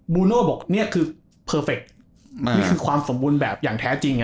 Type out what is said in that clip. บูโน่บอกนี่คือเฮียปเสกความสมบูรณ์แบบอย่างแท้จริง